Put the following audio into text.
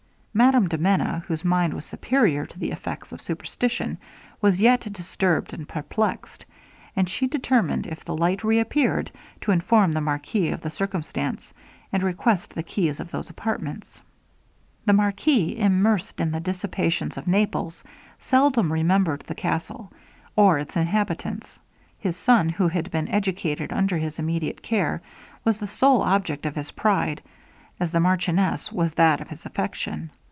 Madame de Menon, whose mind was superior to the effects of superstition, was yet disturbed and perplexed, and she determined, if the light reappeared, to inform the marquis of the circumstance, and request the keys of those apartments. The marquis, immersed in the dissipations of Naples, seldom remembered the castle, or its inhabitants. His son, who had been educated under his immediate care, was the sole object of his pride, as the marchioness was that of his affection.